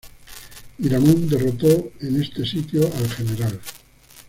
Miramón derrotó en este sitio al Gral.